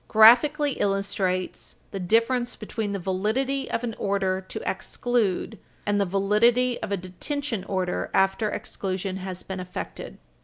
283, graphically illustrates the difference between the validity of an order to exclude and the validity of a detention order after exclusion has been effected.